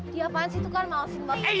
di apaan sih itu kan malasin banget